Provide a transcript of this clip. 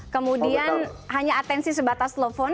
kemudian hanya atensi sebatas telepon